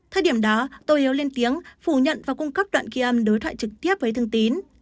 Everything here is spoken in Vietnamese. thời điểm đó tôi yếu lên tiếng phủ nhận và cung cấp đoạn ghi âm đối thoại trực tiếp với thương tín